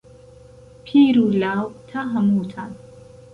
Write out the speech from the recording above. پیر و لاو تا ههمووتان